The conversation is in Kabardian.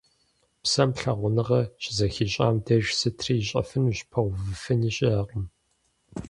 Псэм лъагъуныгъэр щызэхищӏам деж сытри ищӏэфынущ, пэувыфыни щыӏэкъым…